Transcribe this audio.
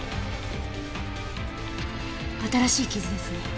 新しい傷ですね。